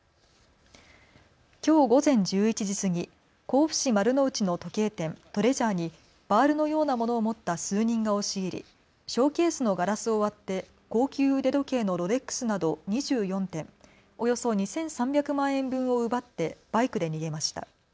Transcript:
きょう午前１１時過ぎ、甲府市丸の内の時計店トレジャーにバールのようなものを持った数人が押し入りショーケースのガラスを割って高級腕時計のロレックスなど２４点、およそ２３００万円分を奪ってバイクで逃げました。